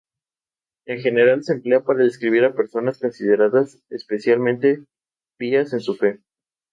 En general se emplea para describir a personas consideradas especialmente pías en su fe.